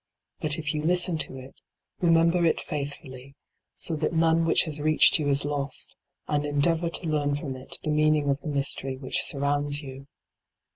But if you listen to it, remember it faithfully, so that none which has reached you is lost, and en deavour to learn from it the meaning of the mystery which surrounds you.